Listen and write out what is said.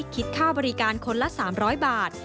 คิดค่าบริการคนละ๓๐๐บาท